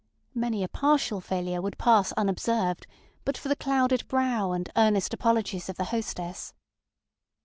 Many a partial failure would pass unobserved but for the clouded brow and earnest apologies of the hostess.